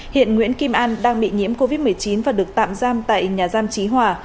hiện nguyễn kim an đang bị nhiễm covid một mươi chín và được tạm giam tại nhà giam trí hòa